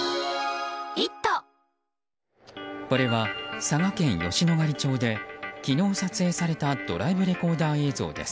これは佐賀県吉野ヶ里町で昨日、撮影されたドライブレコーダー映像です。